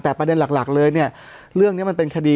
แต่ประเด็นหลักเลยเนี่ยเรื่องนี้มันเป็นคดี